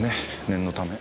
念のため。